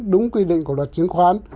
đúng quy định của luật chứng khoán